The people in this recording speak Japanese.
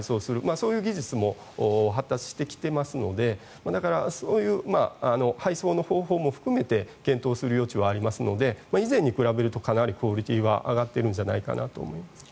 そういう技術も発達してきていますので配送の方法も含めて検討する余地もありますので以前に比べるとかなりクオリティーは上がっているんじゃないかなと思います。